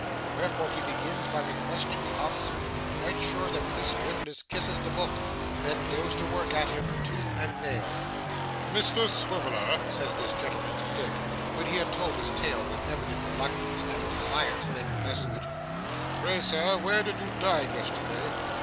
Wherefore, he begins by requesting the officer to be quite sure that this witness kisses the book, then goes to work at him, tooth and nail. 'Mr Swiveller,' says this gentleman to Dick, when he had told his tale with evident reluctance and a desire to make the best of it: 'Pray sir, where did you dine yesterday?